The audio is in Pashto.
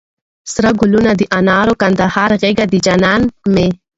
سره ګلونه د انارو، کندهار غېږ د جانان مي